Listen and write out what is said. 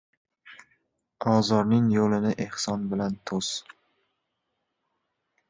— Ozorning yo‘lini ehson bilan to‘s.